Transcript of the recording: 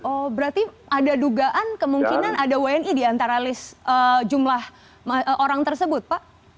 oh berarti ada dugaan kemungkinan ada wni di antara list jumlah orang tersebut pak